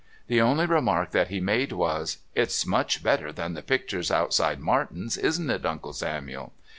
The only remark that he made was: "It's much better than the pictures outside Martin's, isn't it, Uncle Samuel?"